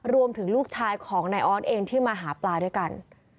ลูกชายของนายออสเองที่มาหาปลาด้วยกัน